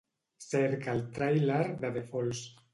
Cerca el tràiler de The Falls